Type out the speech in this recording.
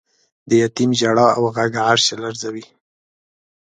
د یتیم ژړا او غږ عرش لړزوی.